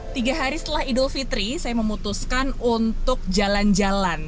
tiga hari setelah idul fitri saya memutuskan untuk jalan jalan